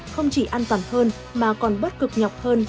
không chỉ an toàn hơn mà còn bớt cực nhọc hơn